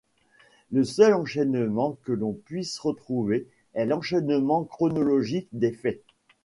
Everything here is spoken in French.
Le seul enchaînement que l’on puisse retrouver est l'enchaînement chronologique des faits.